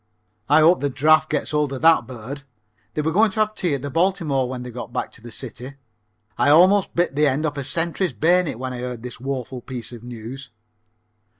I hope the draft gets hold of that bird. They were going to have tea at the Biltmore when they got back to the city. I almost bit the end off of a sentry's bayonet when I heard this woeful piece of news.